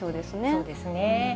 そうですね。